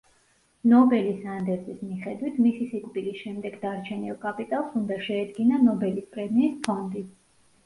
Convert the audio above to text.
ნობელის ანდერძის მიხედვით, მისი სიკვდილის შემდეგ დარჩენილ კაპიტალს უნდა შეედგინა ნობელის პრემიის ფონდი.